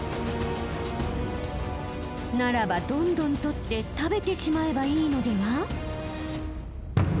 ならばどんどん取って食べてしまえばいいのでは？